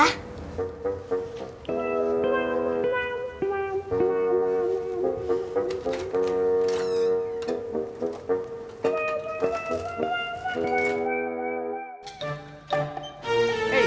assalamualaikum warahmatullahi wabarakatuh